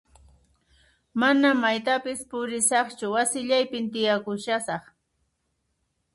Mana maytapis purisaqchu wasillaypin tiyakushasaq